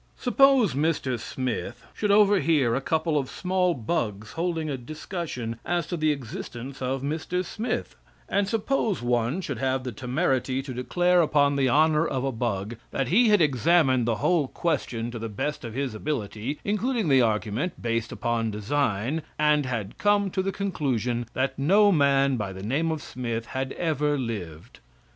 Suppose Mr. Smith should overhear a couple of small bugs holding a discussion as to the existence of Mr. Smith, and suppose one should have the temerity to declare upon the honor of a bug that he had examined the whole question to the best of his ability, including the argument based upon design, and had come to the conclusion that no man by the name of Smith had ever lived.